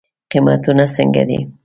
قیمتونه څنګه دی؟